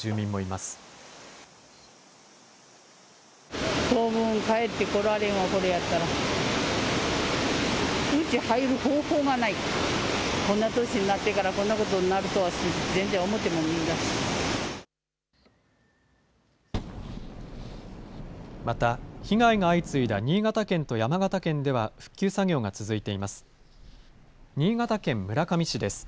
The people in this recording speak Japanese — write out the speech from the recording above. また、被害が相次いだ新潟県と山形県では、復旧作業が続いています。